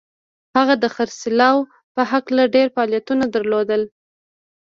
هغه د خرڅلاو په هکله ډېر معلومات درلودل